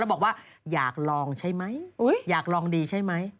บอกว่าอยากลองใช่ไหมอยากลองดีใช่ไหม